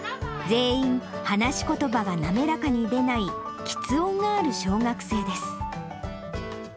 全員、話しことばが滑らかに出ない、きつ音がある小学生です。